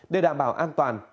để đảm bảo an toàn